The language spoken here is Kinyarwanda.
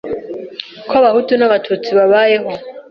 ko abahutu n’abatutsi babayeho